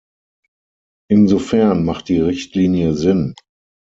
Insofern macht die Richtlinie Sinn.